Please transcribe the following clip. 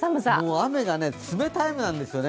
雨がね、冷たい雨なんですよね。